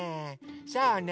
そうねえ。